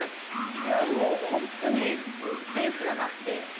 いやもうホントにセンスがなくて。